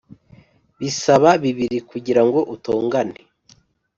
bisaba bibiri kugirango utongane